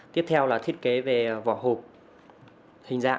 tiếp theo là thiết kế vỏ hộp và hình dạng